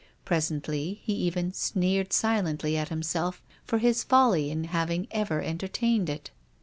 Presently he even sneered silently at himself for his folly in having ever entertained it.